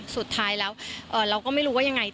สุดท้ายแล้วเราก็ไม่รู้ว่ายังไง